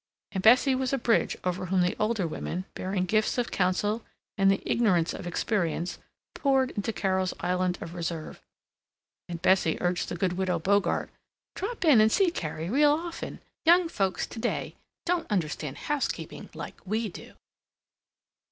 Aunt Bessie was a bridge over whom the older women, bearing gifts of counsel and the ignorance of experience, poured into Carol's island of reserve. Aunt Bessie urged the good Widow Bogart, "Drop in and see Carrie real often. Young folks today don't understand housekeeping like we do."